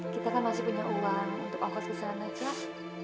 kita kan masih punya uang untuk ohoz keselana cak